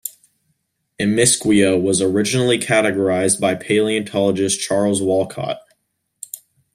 "Amiskwia" was originally categorized by paleontologist Charles Walcott.